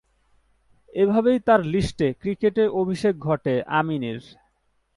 এভাবেই তার লিস্ট এ ক্রিকেটে অভিষেক ঘটে আমিনি’র।